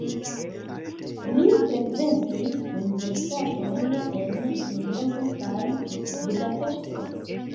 Li frekventis universitaton en Ĝenevo kaj Budapeŝto.